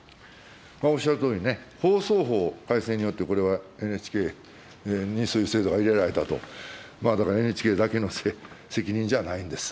おっしゃるとおり、放送法改正によってＮＨＫにそういう制度が入れられたと、だからＮＨＫだけの責任じゃないんです。